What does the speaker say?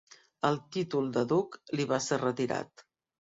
El títol de duc li va ser retirat.